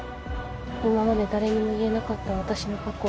今まで誰にも言えなかった私の過去